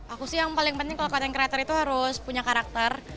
aku sih yang paling penting kalau content creator itu harus punya karakter